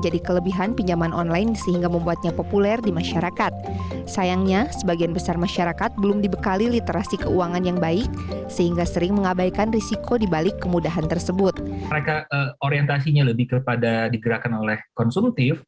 jasa keuangan saat ini baru